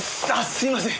すいません。